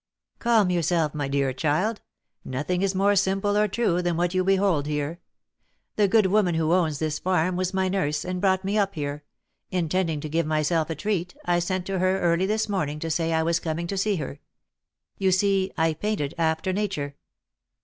"Calm yourself, my dear child! Nothing is more simple or true than what you behold here. The good woman who owns this farm was my nurse, and brought me up here; intending to give myself a treat, I sent to her early this morning to say I was coming to see her. You see I painted after nature."